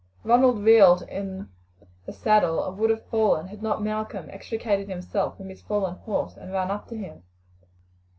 Ronald reeled in the saddle, and would have fallen had not Malcolm extricated himself from his fallen horse and run up to him.